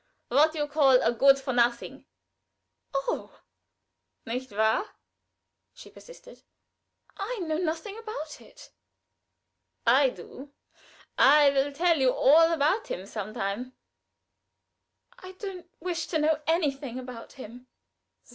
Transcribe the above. "What you call a good for nothing." "Oh." "Nicht wahr?" she persisted. "I know nothing about it." "I do. I will tell you all about him some time." "I don't wish to know anything about him."